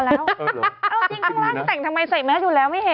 แล้วจริงข้างล่างแต่งทำไมใส่แมสอยู่แล้วไม่เห็น